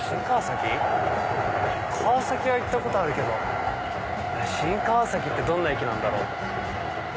川崎は行ったことあるけど新川崎ってどんな駅なんだろう？